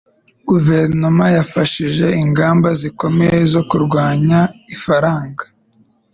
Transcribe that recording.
Guverinoma yafashe ingamba zikomeye zo kurwanya ifaranga